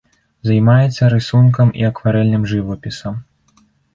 Займаецца рысункам і акварэльным жывапісам.